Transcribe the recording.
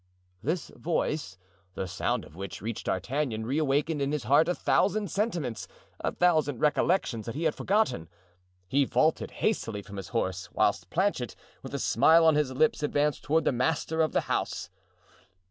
This voice, the sound of which reached D'Artagnan, reawakened in his heart a thousand sentiments, a thousand recollections that he had forgotten. He vaulted hastily from his horse, whilst Planchet, with a smile on his lips, advanced toward the master of the house.